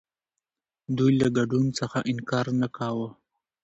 دوی له ګډون څخه انکار نه کاوه.